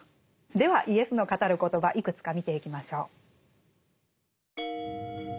ではイエスの語る言葉いくつか見ていきましょう。